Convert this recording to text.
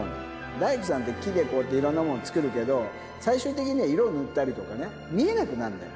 大工さんって木でこう、いろんなもの作るけど、最終的には色を塗ったりとかね、見えなくなるのよ。